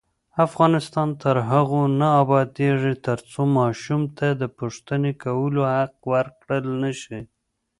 افغانستان تر هغو نه ابادیږي، ترڅو ماشوم ته د پوښتنې کولو حق ورکړل نشي.